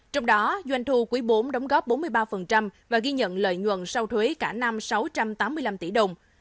trong đó doanh thu quý bốn đóng góp bốn mươi ba và ghi nhận lợi nhuận sau thuế cả năm sáu trăm tám mươi năm tỷ đồng